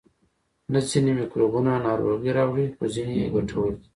نه ځینې میکروبونه ناروغي راوړي خو ځینې یې ګټور دي